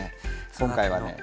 今回はね